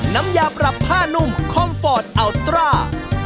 น้ำยาปรับผ้านุ่มคอมฟอร์ตอัลตรา